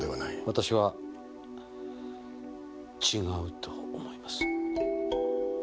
私は違うと思います。